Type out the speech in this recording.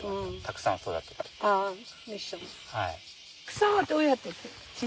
草はどうやってるの？